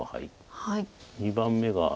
２番目が。